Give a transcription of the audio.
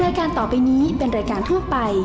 รายการต่อไปนี้เป็นรายการทั่วไป